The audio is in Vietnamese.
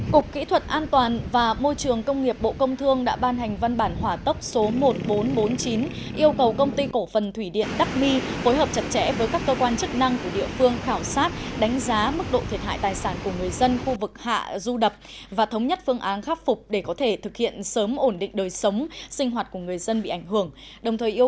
cục kỹ thuật an toàn và môi trường công nghiệp bộ công thương đã ban hành văn bản hỏa tốc số một nghìn bốn trăm bốn mươi chín yêu cầu công ty cổ phần thủy điện đắc mi phối hợp chặt chẽ với các cơ quan chức năng của địa phương khảo sát đánh giá mức độ thiệt hại tài sản của người dân khu vực hạ du đập và thống nhất phương án khắc phục để có thể thực hiện sớm ổn định đời sống sinh hoạt của người dân bị ảnh hưởng đồng thời yêu cầu công ty báo cáo thực hiện về kết quả về bộ công thương trước ngày năm tháng một mươi một